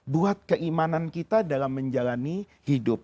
buat keimanan kita dalam menjalani hidup